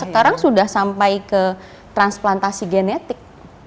sekarang sudah sampai ke transplantasi genetik